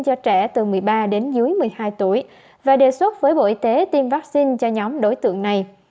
cho trẻ từ một mươi ba đến dưới một mươi hai tuổi và đề xuất với bộ y tế tiêm vaccine cho nhóm đối tượng này